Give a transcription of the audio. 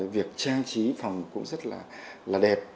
việc trang trí phòng cũng rất là đẹp